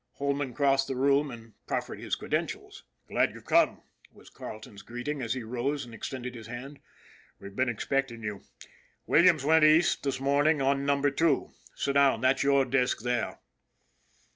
Holman crossed the room and proffered his creden tials. " Glad you've come," was Carleton's greeting, as he rose and extended his hand. " We've been expecting you. Williams went East this morning on Number Two. Sit down. That's your desk there."